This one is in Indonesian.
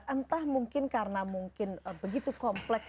entah mungkin karena mungkin begitu kompleks